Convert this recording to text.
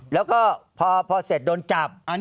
แล้วก็พอเสร็จโดนจับ